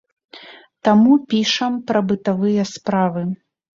Таму пішам пра бытавыя справы.